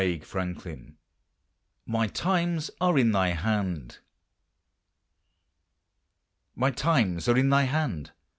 MY TIMES ARE IN THY HAND. My times are in thy hand!